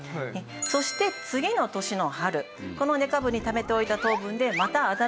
そして次の年の春この根株にためておいた糖分でまた新しい芽が出ると。